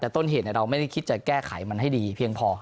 แต่ต้นเหตุเราไม่ได้คิดจะแก้ไขมันให้ดีเพียงพอ